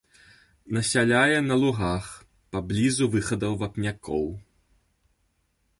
Насяляе на лугах паблізу выхадаў вапнякоў.